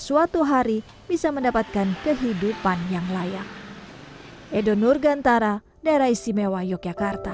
suatu hari bisa mendapatkan kehidupan yang layak edo nurgantara daerah istimewa yogyakarta